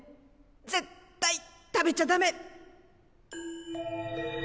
絶対食べちゃダメ！